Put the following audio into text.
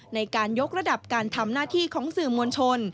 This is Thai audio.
ในการยกระดับการทำหน้าที่ของสื่อมวลชน